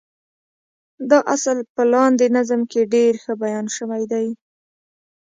دا اصل په لاندې نظم کې ډېر ښه بيان شوی دی.